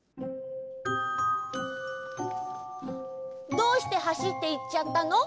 どうしてはしっていっちゃったの？